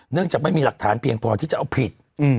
จากไม่มีหลักฐานเพียงพอที่จะเอาผิด